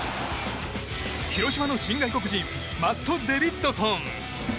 広島の新外国人マット・デビッドソン。